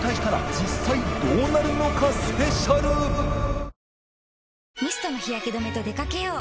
稾濺弔帖ミストの日焼け止めと出掛けよう。